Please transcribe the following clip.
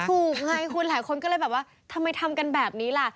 ถูกไงคุณหลายคนก็เลยแบบว่าทำไมทำกันแบบนี้ล่ะ